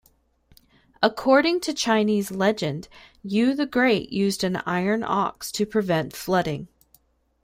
According to Chinese legend, Yu the Great used an iron ox to prevent flooding.